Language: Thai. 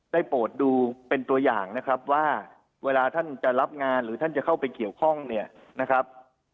โปรดดูเป็นตัวอย่างนะครับว่าเวลาท่านจะรับงานหรือท่านจะเข้าไปเกี่ยวข้องเนี่ยนะครับ